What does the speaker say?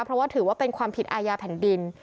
เพราะว่าถือว่าเป็นความผิดอาญาแผ่นดิน